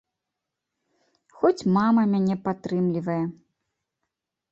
Хоць мама мяне падтрымлівае.